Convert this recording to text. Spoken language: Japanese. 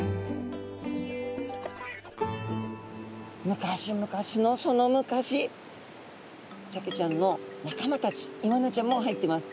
昔昔のその昔サケちゃんの仲間たちイワナちゃんも入ってます。